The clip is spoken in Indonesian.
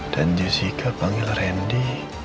dan jessica panggil randy